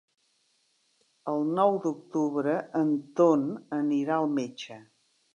El nou d'octubre en Ton anirà al metge.